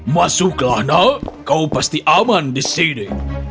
masuklah anak kau pasti aman di sini